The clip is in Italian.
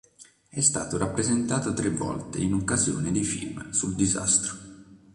È stato rappresentato tre volte in occasione dei film sul disastro.